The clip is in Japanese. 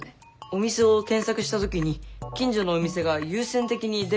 お店を検索した時に近所のお店が優先的に出ることもあるね。